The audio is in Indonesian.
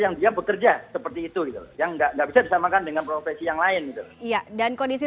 yang dia bekerja seperti itu yang enggak bisa disamakan dengan profesi yang lain dan kondisi